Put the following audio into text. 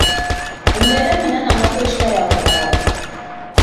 Ундайҙар менән аңлатыу эштәре алып барабыҙ.